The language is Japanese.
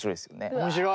面白い！